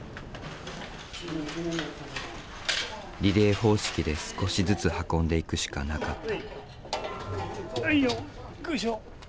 リレー方式で少しずつ運んでいくしかなかった。